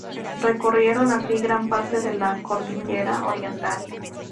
Recorrieron así gran parte de la cordillera Oriental.